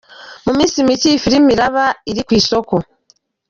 Mu minsi mike iyi filime iraba iri ku isoko.